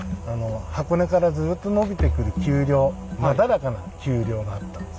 箱根からずっとのびてくる丘陵なだらかな丘陵があったんです。